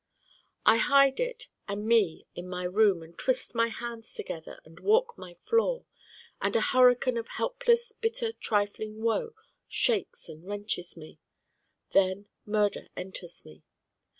I hide it and me in my room and twist my hands together and walk my floor, and a hurricane of helpless bitter trifling woe shakes and wrenches me. Then Murder enters me.